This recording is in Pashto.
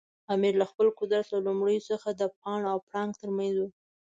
امیر له خپل قدرت له لومړیو څخه د پاڼ او پړانګ ترمنځ و.